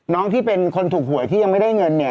ที่เป็นคนถูกหวยที่ยังไม่ได้เงินเนี่ย